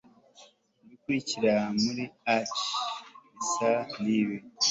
Ibikurikira muri arch bisa nibi